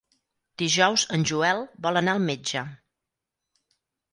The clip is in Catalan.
Dijous en Joel vol anar al metge.